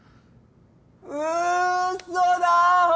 うっそだ！